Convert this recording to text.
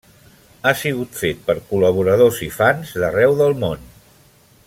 Ha sigut fet per col·laboradors i fans d'arreu del món.